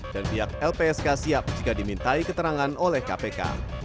dan pihak lpsk siap jika dimintai keterangan oleh kpk